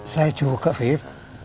saya juga vip